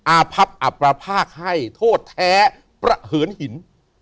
พับอับประภาคให้โทษแท้ประเหินหิน